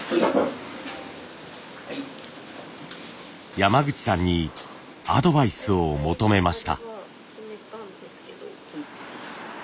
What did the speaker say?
山口さんにアドバイスを求めました。